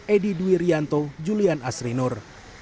edy duirianto julian asrinur